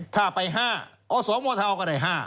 ถ้าไป๕เอา๒มธก็ได้๕